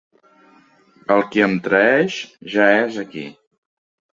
El qui em traeix ja és aquí.